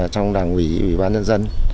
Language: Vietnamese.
trong đảng ủy ủy ban nhân dân